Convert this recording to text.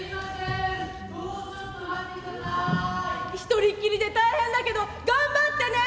１人っきりで大変だけど頑張ってね。